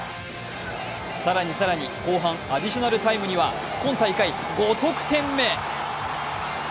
更に更に後半アディショナルタイムには、今大会５得点目。